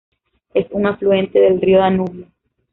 Es un afluente del río Danubio.